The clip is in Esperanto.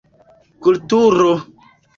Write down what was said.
Kulturo: